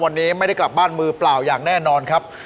วันนี้ไม่ได้กลับบ้านมือเปล่าอย่างแน่นอนครับ